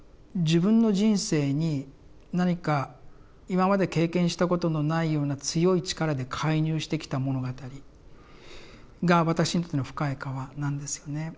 自分の人生に何か今まで経験したことのないような強い力で介入してきた物語が私にとっての「深い河」なんですよね。